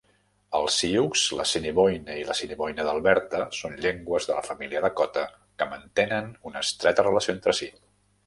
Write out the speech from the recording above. El sioux, l'assiniboine i l'assiniboine d'Alberta són llengües de la família dakota que mantenen una estreta relació entre si.